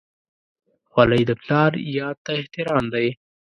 خولۍ د پلار یاد ته احترام دی.